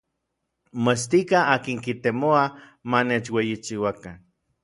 Moetstikaj n akin kitemoua ma nechueyichiuakan.